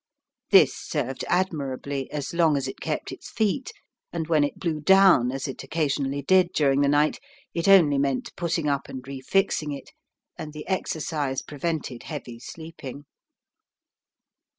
This served admirably as long as it kept its feet, and when it blew down, as it did occasionally during the night, it only meant putting up and refixing it, and the exercise prevented heavy sleeping.